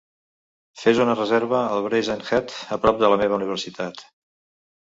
Fes una reserva al Brazen Head, a prop de la meva universitat